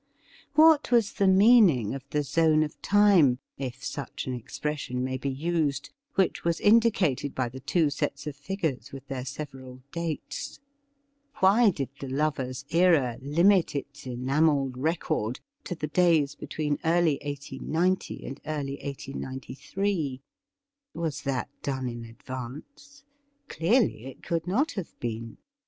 What was the meaning of the zone of time, if such an expression may be used, which was indicated by the two sets of figvu es with their several dates ? Why did the lovers' era limit its enamelled record to the days between early 1890 and early 1893 ? Was that done in advance .'' Clearly it could not have been.